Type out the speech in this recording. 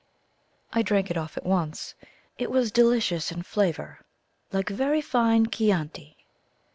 I drank it off at once. It was delicious in flavour like very fine Chianti.